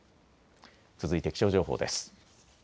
続いて気象情報です。